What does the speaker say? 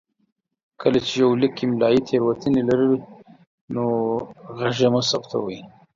کله چې يو ليک املايي تېروتنې لري نو غږ يې مه ثبتوئ.